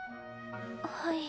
はい。